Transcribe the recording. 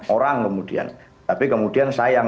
orang kemudian tapi kemudian sayang